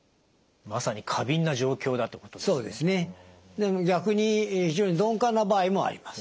でも逆に非常に鈍感な場合もあります。